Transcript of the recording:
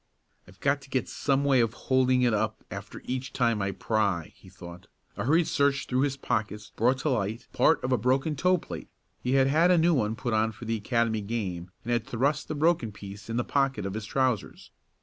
"I've got to get some way of holding it up after each time I pry," he thought. A hurried search through his pockets brought to light part of a broken toe plate. He had had a new one put on for the Academy game, and had thrust the broken piece in the pocket of his trousers.